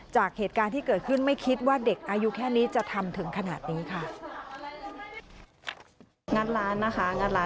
จากเหตุการณ์ที่เกิดขึ้นไม่คิดว่าเด็กอายุแค่นี้จะทำถึงขนาดนี้ค่ะ